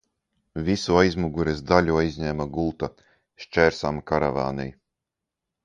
Visu aizmugures daļu aizņēma gulta, šķērsām karavānei.